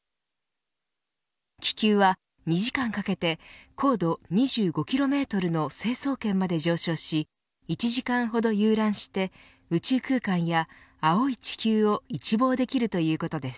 気球は２時間かけて高度２５キロメートルの成層圏まで上昇し１時間ほど遊覧して宇宙空間や青い地球を一望できるということです。